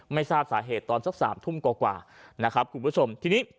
ไม่ทราบสาเหตุตอนสักสามทุ่มกว่านะครับคุณผู้ชมทีนี้